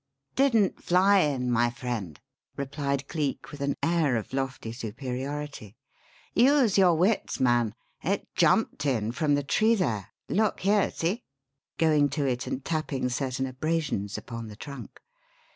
"Didn't fly in, my friend," replied Cleek with an air of lofty superiority. "Use your wits, man. It jumped in from the tree there. Look here see!" going to it and tapping certain abrasions upon the trunk.